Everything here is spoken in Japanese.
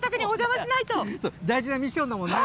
大事なミッションだもんね。